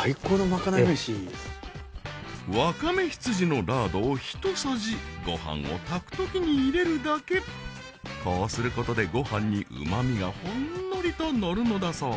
最高のまかないメシ。をひとさじご飯を炊く時に入れるだけこうすることでご飯にうま味がほんのりとのるのだそう